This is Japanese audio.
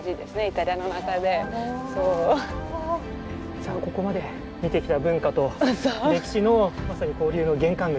じゃあここまで見てきた文化と歴史のまさに交流の玄関口。